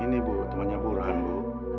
ini temannya burhan bu